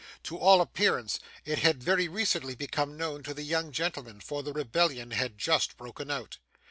To all appearance, it had very recently become known to the young gentlemen; for the rebellion had just broken out.